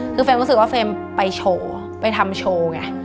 คือเฟรมรู้สึกว่าเฟรมไปโชว์ไปทำโชว์ไง